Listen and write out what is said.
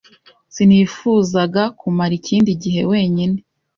Sinifuzaga kumara ikindi gihe wenyine.